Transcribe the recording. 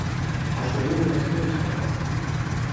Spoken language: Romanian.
Aș dori un răspuns, vă rog.